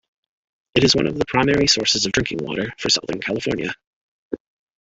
It is one of the primary sources of drinking water for Southern California.